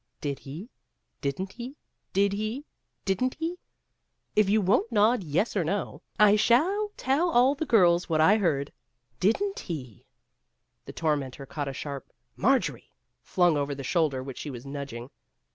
"Did he? Did n't he? Did he ? Didn't he ? If you won't nod yes or no, I shall 280 Vassar Studies tell all the girls what I heard. Did n't he?" The tormentor caught a sharp " Mar jorie !" flung over the shoulder which she was nudging.